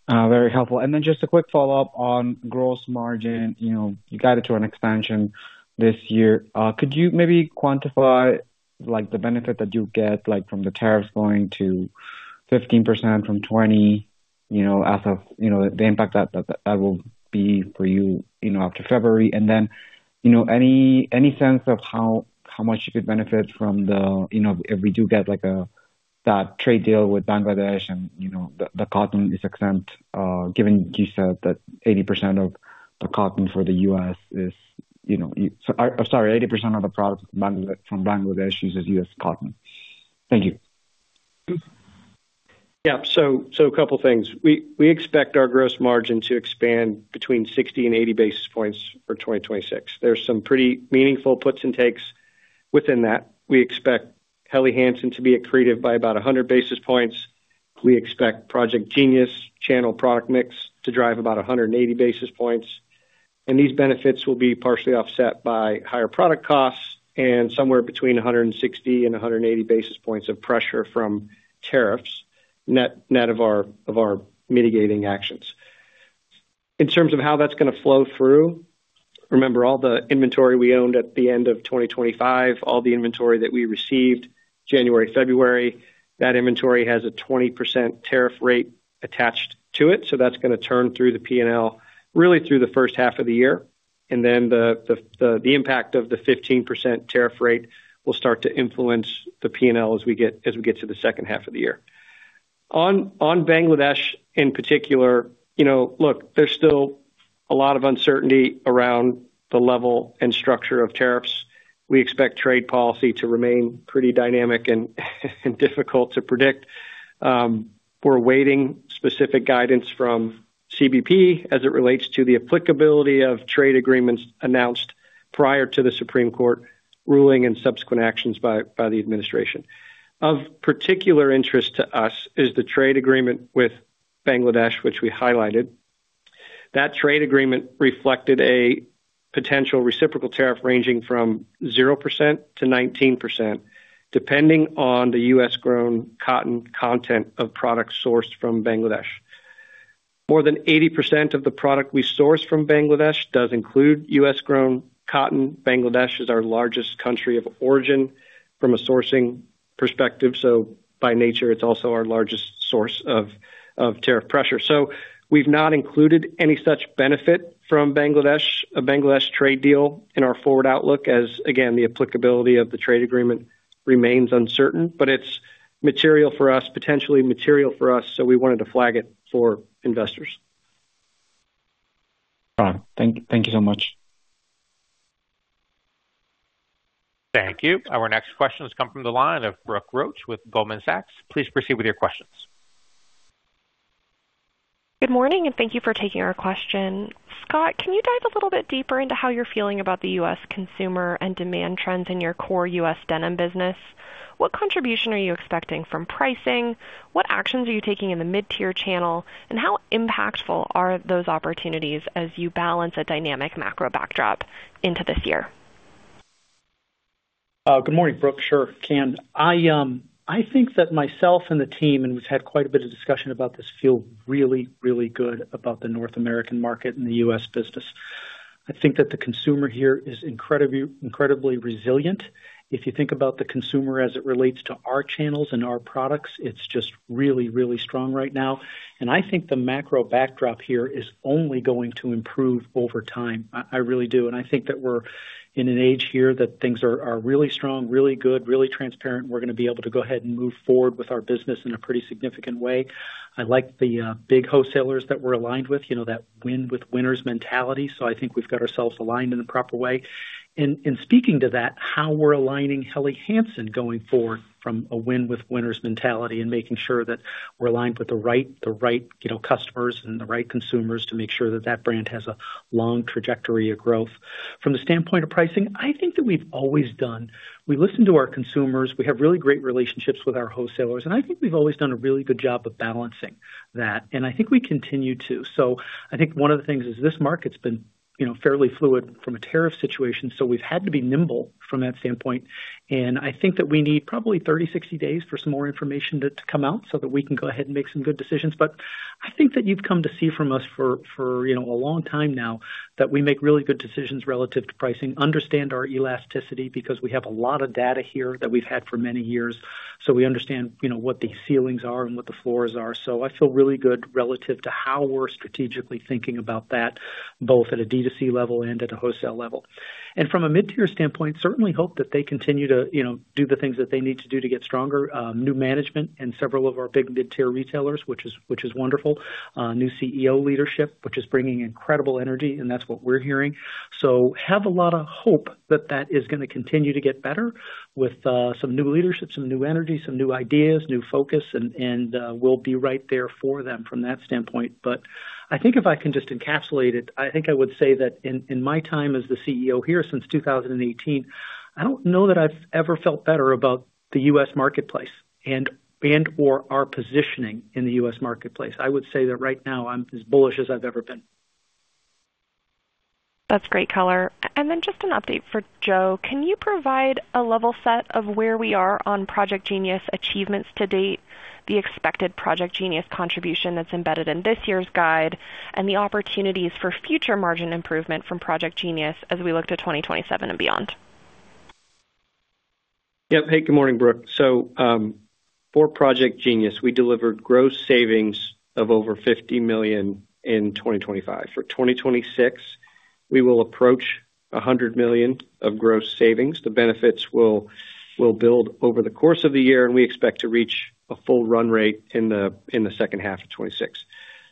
Very helpful. Then just a quick follow-up on gross margin. You know, you guided to an expansion this year. Could you maybe quantify, like, the benefit that you get, like, from the tariffs going to 15% from 20%, you know, as of, the impact that will be for you know, after February? Then, any sense of how much you could benefit from the-- if we do get like, that trade deal with Bangladesh and, the cotton is exempt, given you said that 80% of the cotton for the U.S. is, sorry, 80% of the product from Bangladesh uses U.S. cotton? Thank you. A couple of things. We expect our gross margin to expand between 60 and 80 basis points for 2026. There's some pretty meaningful puts and takes within that. We expect Helly Hansen to be accretive by about 100 basis points. We expect Project Genius channel product mix to drive about 180 basis points. These benefits will be partially offset by higher product costs and somewhere between 160 and 180 basis points of pressure from tariffs, net of our mitigating actions. In terms of how that's gonna flow through, remember all the inventory we owned at the end of 2025, all the inventory that we received January, February, that inventory has a 20% tariff rate attached to it. That's gonna turn through the P&L really through the first half of the year. Then the impact of the 15% tariff rate will start to influence the P&L as we get to the second half of the year. On Bangladesh in particular, you know, look, there's still a lot of uncertainty around the level and structure of tariffs. We expect trade policy to remain pretty dynamic and difficult to predict. We're awaiting specific guidance from CBP as it relates to the applicability of trade agreements announced prior to the Supreme Court ruling and subsequent actions by the administration. Of particular interest to us is the trade agreement with Bangladesh, which we highlighted. That trade agreement reflected a potential reciprocal tariff ranging from 0% to 19%, depending on the U.S.-grown cotton content of products sourced from Bangladesh. More than 80% of the product we source from Bangladesh does include U.S.-grown cotton. Bangladesh is our largest country of origin from a sourcing perspective, so by nature, it's also our largest source of tariff pressure. We've not included any such benefit from a Bangladesh trade deal in our forward outlook as, again, the applicability of the trade agreement remains uncertain. It's material for us, potentially material for us, so we wanted to flag it for investors. All right. Thank you so much. Thank you. Our next question has come from the line of Brooke Roach with Goldman Sachs. Please proceed with your questions. Good morning. Thank you for taking our question. Scott, can you dive a little bit deeper into how you're feeling about the U.S. consumer and demand trends in your core U.S. denim business? What contribution are you expecting from pricing? What actions are you taking in the mid-tier channel? How impactful are those opportunities as you balance a dynamic macro backdrop into this year? Good morning, Brooke. Sure can. I think that myself and the team, and we've had quite a bit of discussion about this, feel really, really good about the North American market and the U.S. business. I think that the consumer here is incredibly resilient. If you think about the consumer as it relates to our channels and our products, it's just really, really strong right now. I think the macro backdrop here is only going to improve over time. I really do. I think that we're in an age here that things are really strong, really good, really transparent. We're gonna be able to go ahead and move forward with our business in a pretty significant way. I like the big wholesalers that we're aligned with, you know, that win with winners mentality. I think we've got ourselves aligned in the proper way. Speaking to that, how we're aligning Helly Hansen going forward from a win with winners mentality and making sure that we're aligned with the right, you know, customers and the right consumers to make sure that that brand has a long trajectory of growth. From the standpoint of pricing, I think that we've always done. We listen to our consumers. We have really great relationships with our wholesalers, and I think we've always done a really good job of balancing that, and I think we continue to. I think one of the things is this market's been, you know, fairly fluid from a tariff situation, so we've had to be nimble from that standpoint. I think that we need probably 30, 60 days for some more information to come out so that we can go ahead and make some good decisions. I think that you've come to see from us for, you know, a long time now that we make really good decisions relative to pricing, understand our elasticity because we have a lot of data here that we've had for many years. We understand, you know, what the ceilings are and what the floors are. I feel really good relative to how we're strategically thinking about that, both at a D2C level and at a wholesale level. From a mid-tier standpoint, certainly hope that they continue to, you know, do the things that they need to do to get stronger. New management in several of our big mid-tier retailers, which is wonderful. New CEO leadership, which is bringing incredible energy, and that's what we're hearing. Have a lot of hope that that is gonna continue to get better with some new leadership, some new energy, some new ideas, new focus, and we'll be right there for them from that standpoint. I think if I can just encapsulate it, I think I would say that in my time as the CEO here since 2018, I don't know that I've ever felt better about the U.S. marketplace and/or our positioning in the U.S. marketplace. I would say that right now I'm as bullish as I've ever been. That's great color. Just an update for Joe. Can you provide a level set of where we are on Project Genius achievements to date, the expected Project Genius contribution that's embedded in this year's guide, and the opportunities for future margin improvement from Project Genius as we look to 2027 and beyond? Hey, good morning, Brooke. For Project Genius, we delivered gross savings of over $50 million in 2025. For 2026, we will approach $100 million of gross savings. The benefits will build over the course of the year, and we expect to reach a full run rate in the second half of 2026.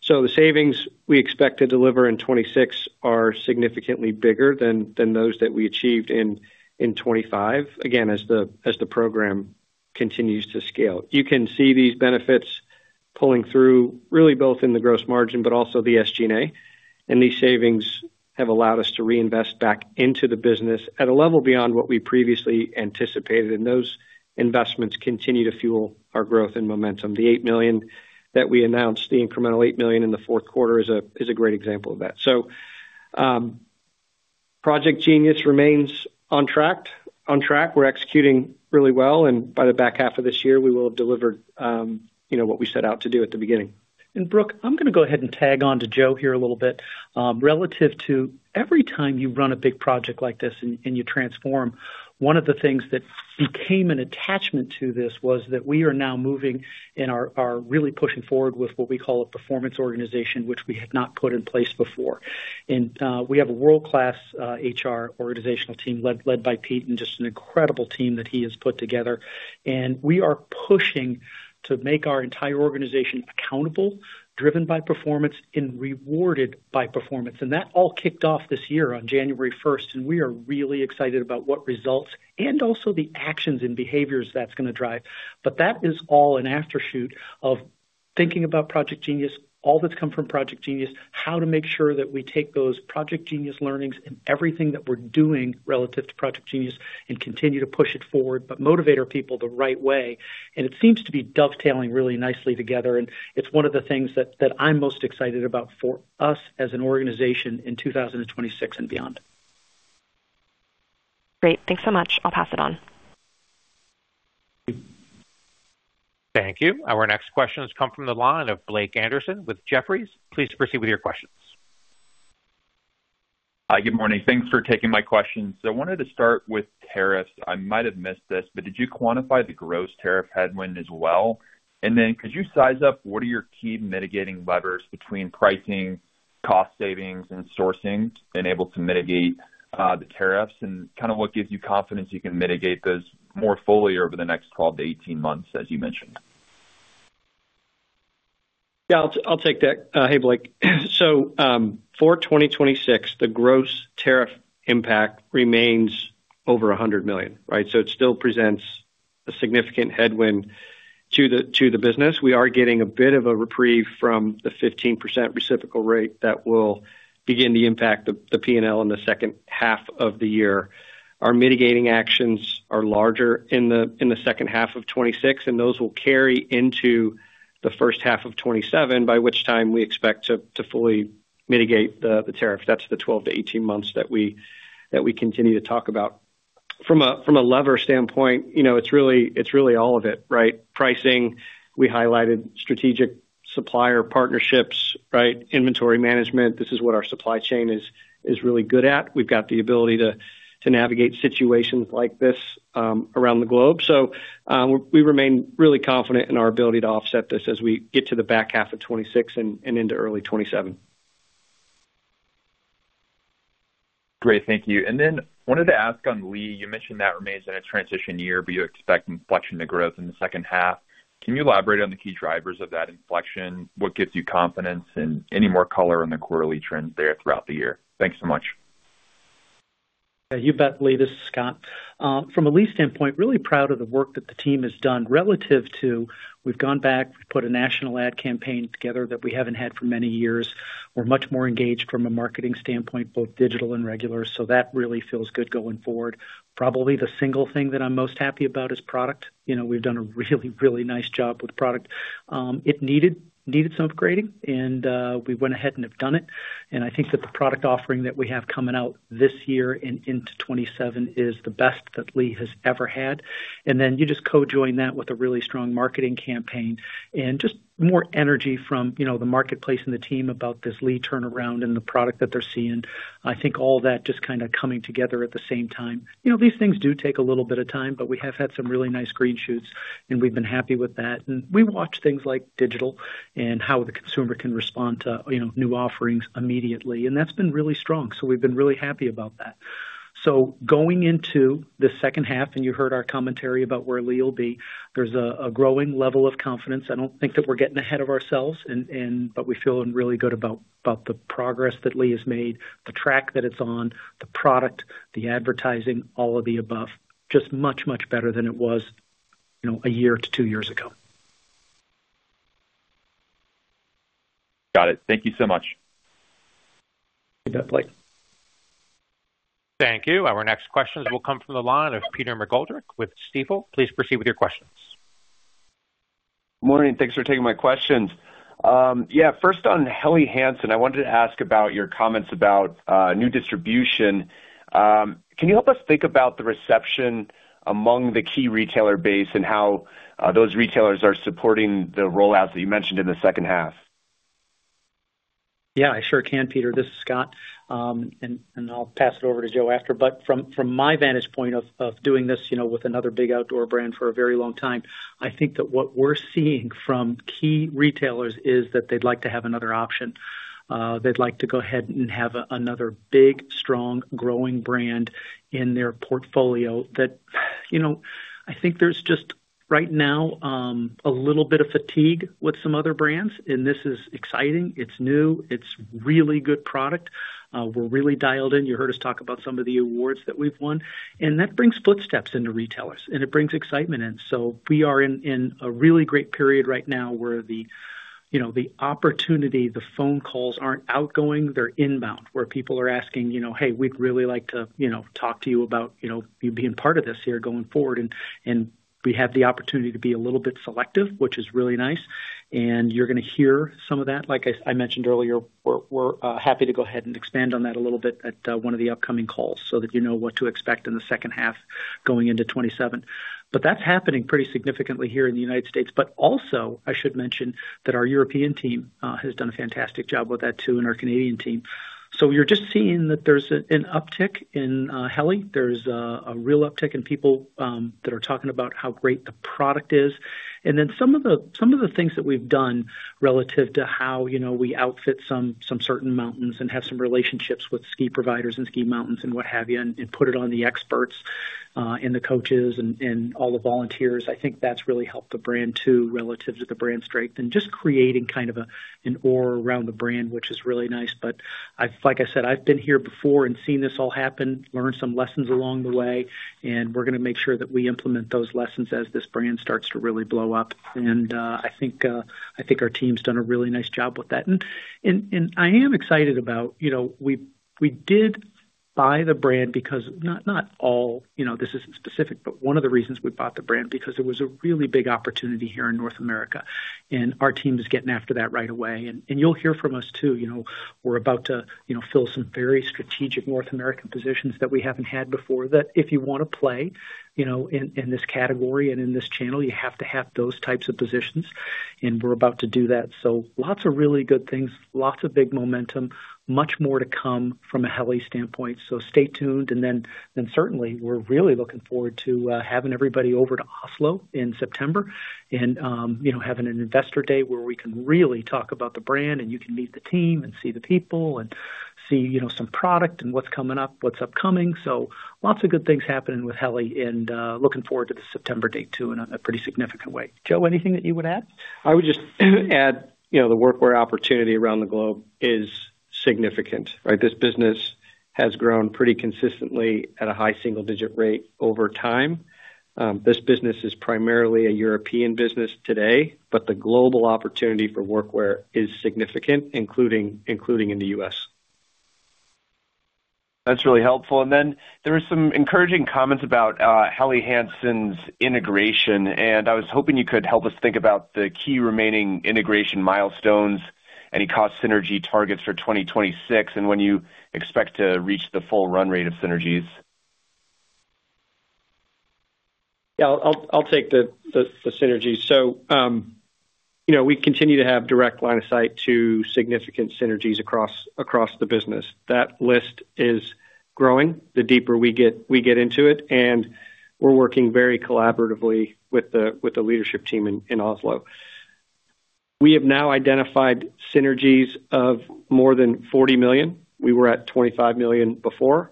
The savings we expect to deliver in 2026 are significantly bigger than those that we achieved in 2025, again, as the program continues to scale. You can see these benefits pulling through really both in the gross margin but also the SG&A. These savings have allowed us to reinvest back into the business at a level beyond what we previously anticipated, and those investments continue to fuel our growth and momentum. The $8 million that we announced, the incremental $8 million in the Q4 is a great example of that. Project Genius remains on track. We're executing really well. By the back half of this year, we will have delivered, you know, what we set out to do at the beginning. Brooke, I'm gonna go ahead and tag on to Joe here a little bit. Relative to every time you run a big project like this and you transform, one of the things that became an attachment to this was that we are now moving and are really pushing forward with what we call a performance organization, which we had not put in place before. We have a world-class HR organizational team led by Pete and just an incredible team that he has put together. We are pushing to make our entire organization accountable, driven by performance and rewarded by performance. That all kicked off this year on January 1st, and we are really excited about what results and also the actions and behaviors that's gonna drive. That is all an aftershoot of thinking about Project Genius, all that's come from Project Genius, how to make sure that we take those Project Genius learnings and everything that we're doing relative to Project Genius and continue to push it forward, but motivate our people the right way. It seems to be dovetailing really nicely together, and it's one of the things that I'm most excited about for us as an organization in 2026 and beyond. Great. Thanks so much. I'll pass it on. Thank you. Our next question has come from the line of Blake Anderson with Jefferies. Please proceed with your questions. Hi. Good morning. Thanks for taking my questions. I wanted to start with tariffs. I might have missed this, but did you quantify the gross tariff headwind as well? Could you size up what are your key mitigating levers between pricing, cost savings, and sourcing been able to mitigate the tariffs? What gives you confidence you can mitigate those more fully over the next 12 to 18 months, as you mentioned? Yeah. I'll take that. Hey, Blake. For 2026, the gross tariff impact remains over $100 million, right? It still presents a significant headwind to the business. We are getting a bit of a reprieve from the 15% reciprocal rate that will begin to impact the P&L in the second half of the year. Our mitigating actions are larger in the second half of 2026, and those will carry into the first half of 2027, by which time we expect to fully mitigate the tariff. That's the 12-18 months that we continue to talk about. From a lever standpoint, you know, it's really all of it, right? Pricing, we highlighted strategic supplier partnerships, right? Inventory management. This is what our supply chain is really good at. We've got the ability to navigate situations like this, around the globe. We remain really confident in our ability to offset this as we get to the back half of 2026 and into early 2027. Great. Thank you. Wanted to ask on Lee, you mentioned that remains in a transition year, but you expect inflection to growth in the second half. Can you elaborate on the key drivers of that inflection? What gives you confidence and any more color on the quarterly trends there throughout the year? Thanks so much. Yeah, you bet, Blake. This is Scott. From a Lee standpoint, really proud of the work that the team has done relative to we've gone back, put a national ad campaign together that we haven't had for many years. We're much more engaged from a marketing standpoint, both digital and regular, so that really feels good going forward. Probably the single thing that I'm most happy about is product. You know, we've done a really, really nice job with product. It needed some upgrading, and we went ahead and have done it. I think that the product offering that we have coming out this year and into 2027 is the best that Lee has ever had. Then you just co-join that with a really strong marketing campaign and just more energy from, you know, the marketplace and the team about this Lee turnaround and the product that they're seeing. I think all that just kinda coming together at the same time. You know, these things do take a little bit of time, but we have had some really nice green shoots, and we've been happy with that. We watch things like digital and how the consumer can respond to, you know, new offerings immediately, and that's been really strong. We've been really happy about that. Going into the second half, and you heard our commentary about where Lee will be, there's a growing level of confidence. I don't think that we're getting ahead of ourselves but we're feeling really good about the progress that Lee has made, the track that it's on, the product, the advertising, all of the above. Just much, much better than it was, you know, a year to two years ago. Got it. Thank you so much. You bet, Blake. Thank you. Our next question will come from the line of Peter McGoldrick with Stifel. Please proceed with your questions. Morning. Thanks for taking my questions. Yeah, first on Helly Hansen. I wanted to ask about your comments about new distribution. Can you help us think about the reception among the key retailer base and how those retailers are supporting the rollouts that you mentioned in the second half? Yeah, I sure can, Peter. This is Scott. I'll pass it over to Joe after. From my vantage point of doing this, you know, with another big outdoor brand for a very long time, I think that what we're seeing from key retailers is that they'd like to have another option. They'd like to go ahead and have another big, strong, growing brand in their portfolio. You know, I think there's just right now, a little bit of fatigue with some other brands, and this is exciting. It's new. It's really good product. We're really dialed in. You heard us talk about some of the awards that we've won, and that brings footsteps into retailers, and it brings excitement in. We are in a really great period right now where the. You know, the opportunity, the phone calls aren't outgoing, they're inbound, where people are asking, you know, "Hey, we'd really like to, you know, talk to you about, you know, you being part of this here going forward." And we have the opportunity to be a little bit selective, which is really nice. And you're gonna hear some of that. Like I mentioned earlier, we're happy to go ahead and expand on that a little bit at one of the upcoming calls so that you know what to expect in the second half going into 2027. That's happening pretty significantly here in the U.S.. Also, I should mention that our European team has done a fantastic job with that too, and our Canadian team. You're just seeing that there's an uptick in Helly. There's a real uptick in people that are talking about how great the product is. Then some of the things that we've done relative to how, you know, we outfit some certain mountains and have some relationships with ski providers and ski mountains and what have you, and put it on the experts, and the coaches and all the volunteers. I think that's really helped the brand too, relative to the brand strength. Just creating kind of an aura around the brand, which is really nice. Like I said, I've been here before and seen this all happen, learned some lessons along the way, and we're gonna make sure that we implement those lessons as this brand starts to really blow up. I think our team's done a really nice job with that. I am excited about, you know, we did buy the brand because not all, you know, this isn't specific, but one of the reasons we bought the brand because it was a really big opportunity here in North America, and our team is getting after that right away. You'll hear from us too, you know, we're about to, you know, fill some very strategic North American positions that we haven't had before, that if you wanna play, you know, in this category and in this channel, you have to have those types of positions, and we're about to do that. Lots of really good things, lots of big momentum. Much more to come from a Helly standpoint, so stay tuned. Certainly we're really looking forward to, having everybody over to Oslo in September and, you know, having an investor day where we can really talk about the brand and you can meet the team and see the people and see, you know, some product and what's coming up, what's upcoming. Lots of good things happening with Helly and, looking forward to the September date too, in a pretty significant way. Joe, anything that you would add? I would just add, you know, the workwear opportunity around the globe is significant, right? This business has grown pretty consistently at a high single digit rate over time. This business is primarily a European business today, but the global opportunity for workwear is significant, including in the U.S. That's really helpful. Then there are some encouraging comments about Helly Hansen's integration, and I was hoping you could help us think about the key remaining integration milestones, any cost synergy targets for 2026 and when you expect to reach the full run rate of synergies. I'll take the synergies. You know, we continue to have direct line of sight to significant synergies across the business. That list is growing the deeper we get into it, and we're working very collaboratively with the leadership team in Oslo. We have now identified synergies of more than $40 million. We were at $25 million before.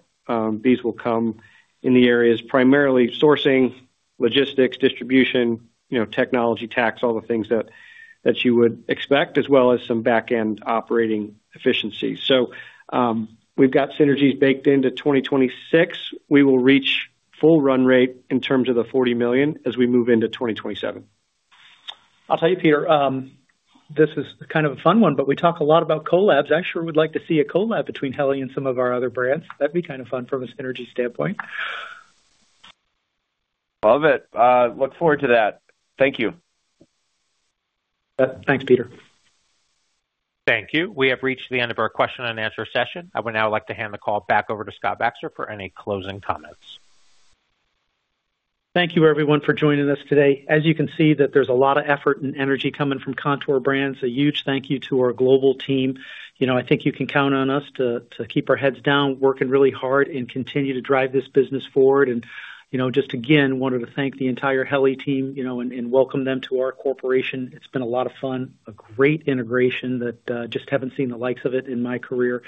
These will come in the areas primarily sourcing, logistics, distribution, you know, technology tax, all the things that you would expect, as well as some back-end operating efficiencies. We've got synergies baked into 2026. We will reach full run rate in terms of the $40 million as we move into 2027. I'll tell you, Peter, this is kind of a fun one, but we talk a lot about collabs. I sure would like to see a collab between Helly and some of our other brands. That'd be kind of fun from a synergy standpoint. Love it. Look forward to that. Thank you. Thanks, Pete. Thank you. We have reached the end of our question and answer session. I would now like to hand the call back over to Scott Baxter for any closing comments. Thank you everyone for joining us today. As you can see that there's a lot of effort and energy coming from Kontoor Brands. A huge thank you to our global team. You know, I think you can count on us to keep our heads down, working really hard and continue to drive this business forward. You know, just again, wanted to thank the entire Helly team, you know, and welcome them to our corporation. It's been a lot of fun, a great integration that just haven't seen the likes of it in my career.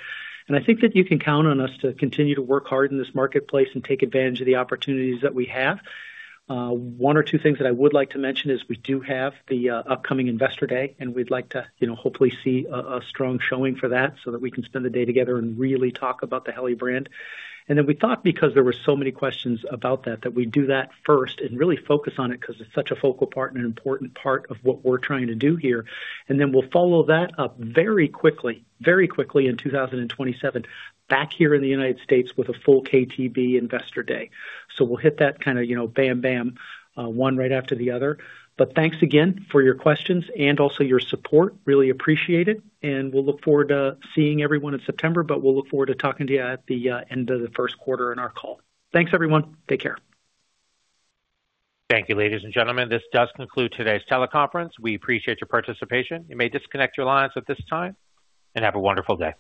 I think that you can count on us to continue to work hard in this marketplace and take advantage of the opportunities that we have. One or two things that I would like to mention is we do have the upcoming investor day, we'd like to, you know, hopefully see a strong showing for that so that we can spend the day together and really talk about the Helly brand. We thought, because there were so many questions about that we'd do that first and really focus on it 'cause it's such a focal part and an important part of what we're trying to do here. We'll follow that up very quickly, very quickly in 2027 back here in the U.S. with a full KTB Investor Day. We'll hit that kinda, you know, bam, one right after the other. Thanks again for your questions and also your support. Really appreciate it, and we'll look forward to seeing everyone in September, but we'll look forward to talking to you at the end of the Q1 in our call. Thanks, everyone. Take care. Thank you, ladies and gentlemen. This does conclude today's teleconference. We appreciate your participation. You may disconnect your lines at this time, and have a wonderful day.